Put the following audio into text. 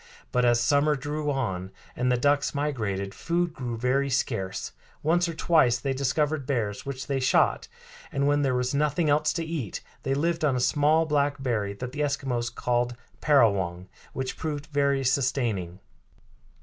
But as summer drew on, and the ducks migrated, food grew very scarce. Once or twice they discovered bears, which they shot, and when there was nothing else to eat they lived on a small black berry that the Eskimos called parawong, which proved very sustaining.